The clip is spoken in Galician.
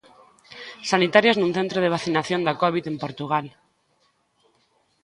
Sanitarias nun centro de vacinación da Covid en Portugal.